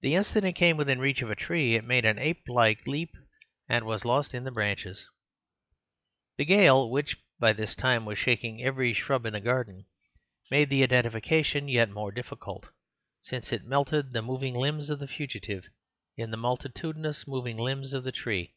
The instant it came within reach of a tree it made an ape like leap and was lost in the branches. The gale, which by this time was shaking every shrub in the garden, made the identification yet more difficult, since it melted the moving limbs of the fugitive in the multitudinous moving limbs of the tree.